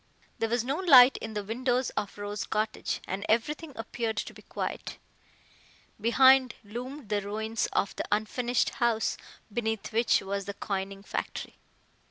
There was no light in the windows of Rose Cottage, and everything appeared to be quiet. Behind loomed the ruins of the unfinished house beneath which was the coining factory.